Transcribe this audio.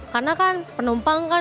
karena kan penumpang kan